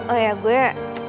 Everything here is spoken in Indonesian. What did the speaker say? oh ya gue